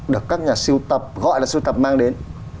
được các nhà siêu tập gọi là siêu tập mang đến